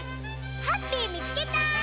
ハッピーみつけた！